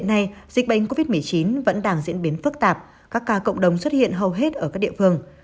hiện nay dịch bệnh covid một mươi chín vẫn đang diễn biến phức tạp các ca cộng đồng xuất hiện hầu hết ở các địa phương